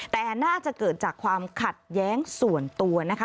แต่น่าจะเกิดจากความขัดแย้งส่วนตัวนะคะ